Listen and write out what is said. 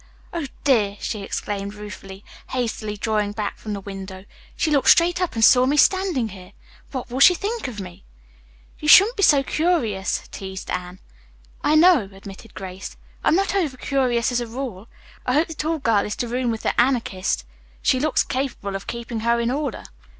Oh dear!" she exclaimed ruefully, hastily drawing back from the window, "she looked straight up and saw me standing here. What will she think of me?" "You shouldn't be so curious," teased Anne. "I know it," admitted Grace. "I'm not over curious as a rule. I hope the tall girl is to room with the Anarchist. She looks capable of keeping her in order."